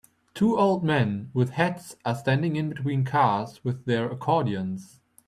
Two old men with hats are standing in between cars with their accordions.